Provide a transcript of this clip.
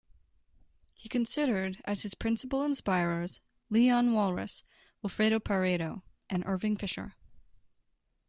He considered, as his principal inspirers, Leon Walras, Wilfredo Pareto and Irving Fisher.